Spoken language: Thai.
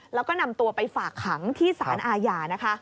แล้วก็นำตัวไปฝากขังที่สารอาญานะคะ